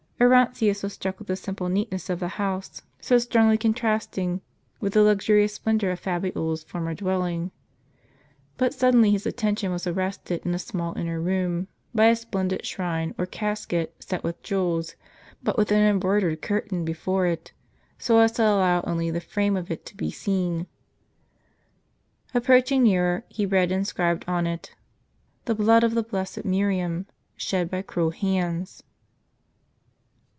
Orontius was struck with the simple neatness of the house, so strongly contrasting with the luxurious splendor of Fabiola's former dwelling. But suddenly his attention was arrested, in a small inner room, by a splendid shrine or casket, set with jewels, but with an embroidered curtain before it, so as to allow only the frame of it to be seen. Approaching nearer, he read inscribed on it :" The blood or the blessed Miriam, shed by cruel HANDS